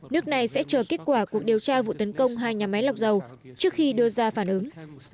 nước này sẽ chờ kết quả cuộc điều tra vụ tấn công hai nhà máy lọc dầu trước khi đưa ra phản ứng